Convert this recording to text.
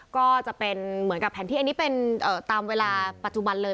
ก็จะเป็นเหมือนกับแผนที่อันนี้เป็นตามเวลาปัจจุบันเลย